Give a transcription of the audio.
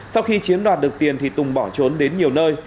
sau khi chiếm đoạt được tiền thì tùng bỏ trốn đến nhiều nơi